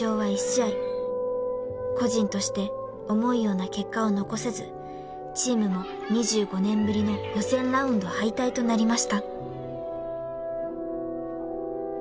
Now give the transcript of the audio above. ［個人として思うような結果を残せずチームも２５年ぶりの予選ラウンド敗退となりました］